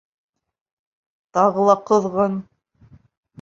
Тағы ла ҡоҙғон.